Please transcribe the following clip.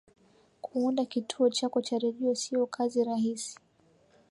kuunda kituo chako cha redio siyo kazi rahisi